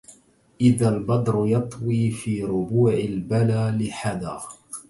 إذا البدر يطوى في ربوع البلى لحدا